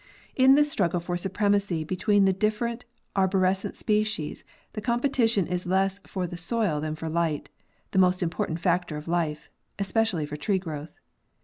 In this struggle for supremacy between the different arbores cent species the competition is less for the soil than for the light, the most important factor of life, especially for tree growth.